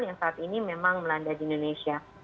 yang saat ini memang melanda di indonesia